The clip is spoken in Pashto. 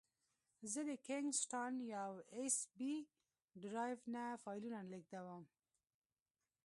زه د کینګ سټان یو ایس بي ډرایو نه فایلونه لېږدوم.